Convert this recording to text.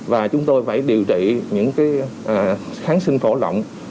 và chúng tôi phải điều trị những cái kháng sinh phổ lỏng